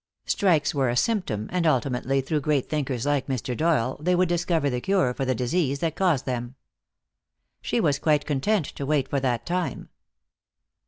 Strikes were a symptom, and ultimately, through great thinkers like Mr. Doyle, they would discover the cure for the disease that caused them. She was quite content to wait for that time.